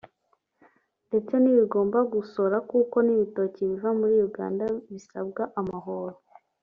ndetse n’ibigomba gusora kuko n’ibitoki biva muri Uganda bisabwa amahoro